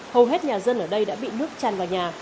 hầu hết nhà dân ở đây đã bị nước tràn vào nhà